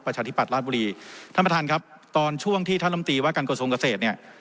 ประชาธิบัตย์ราชบุรีท่านประธานครับตอนช่วงที่ท่านลำตีว่าการกระทรวงเกษตรเนี่ย